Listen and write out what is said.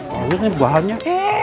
bagus nih buahannya